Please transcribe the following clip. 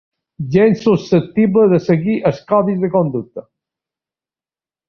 Gens susceptible de seguir els codis de conducta.